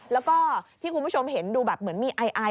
แล้วก็ที่คุณผู้ชมเห็นดูแบบเหมือนมีไอไอ